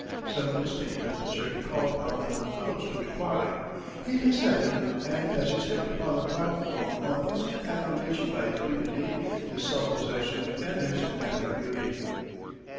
Some instinct led the chair to call upon Wendell Phillips to reply. He consented, and as he stepped upon the platform won instant admiration by his dignity, his self possession, and his manly beauty.